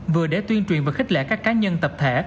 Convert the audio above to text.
vừa để tuyên truyền và khích lệ các cá nhân tập thể